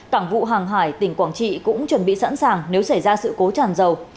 cảng vụ hàng hải tỉnh quảng trị cũng chuẩn bị sẵn sàng nếu xảy ra sự cố tràn dầu